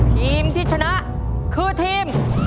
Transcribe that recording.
ทีมที่ชนะคือทีม